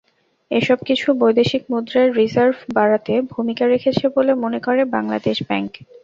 এসব কিছু বৈদেশিক মুদ্রার রিজার্ভ বাড়াতে ভূমিকা রেখেছে বলে মনে করে বাংলাদেশ ব্যাংক।